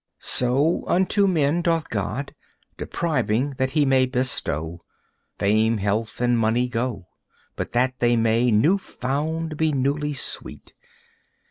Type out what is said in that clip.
So unto men Doth God, depriving that He may bestow. Fame, health and money go, But that they may, new found, be newly sweet.